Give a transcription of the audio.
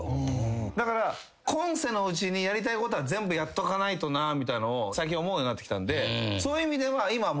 だから今世のうちにやりたいことは全部やっとかないとみたいなのを最近思うようになってきたんでそういう意味では。